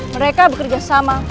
mereka bekerja sama